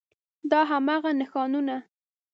دا هماغه نښانونه